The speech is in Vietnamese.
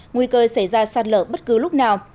nguy cơ xảy ra sạt lở bất cứ lúc nào